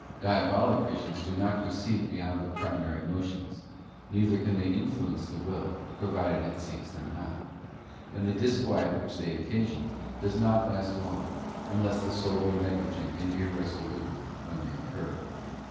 Diabolic visions do not proceed beyond the primary motions, neither can they influence the will, provided it seeks them not; and the disquiet which they occasion does not last long, unless the soul be negligent and irresolute when they occur.